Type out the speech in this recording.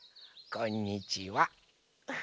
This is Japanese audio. こんにちは。